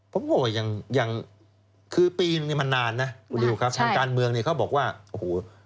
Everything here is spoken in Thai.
ผมโง่อย่างคือปีนึงมันนานนะทางการเมืองเขาบอกว่า